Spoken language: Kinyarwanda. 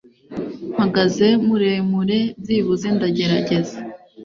mpagaze muremure, byibuze ndagerageza